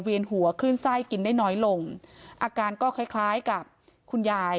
หัวคลื่นไส้กินได้น้อยลงอาการก็คล้ายคล้ายกับคุณยาย